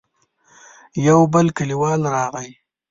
يو بل کليوال راغی.